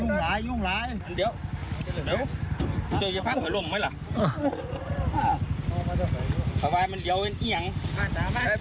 โอเคมั้ยล่ะ